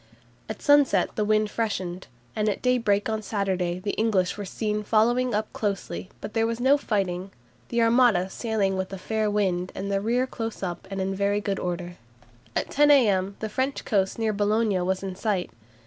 At sunset the wind freshened, and at daybreak on Saturday the English were seen following up closely, but there was no fighting, "the Armada sailing with a fair wind and the rear close up, and in very good order." At 10 a.m. the French coast near Boulogne was in sight.